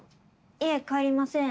いえ帰りません。